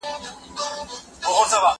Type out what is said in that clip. زه به سفر کړی وي؟!